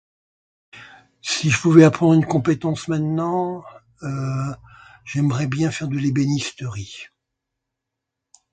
Si je pouvais apprendre une compétence maintenant, j'aimerais bien faire de l'ébenisterie.